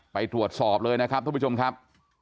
ไปตรวจสอบเลยนะครับทุกผู้ชมครับ